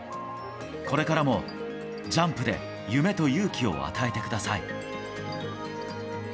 「これからもジャンプで夢と勇気を与えてください」。